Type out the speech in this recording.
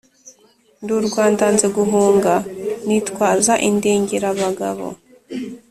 ndi urwa ndanze guhunga, nitwaza indengerabagabo.